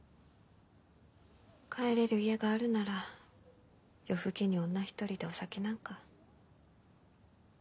帰れる家があるなら夜更けに女一人でお酒なんか。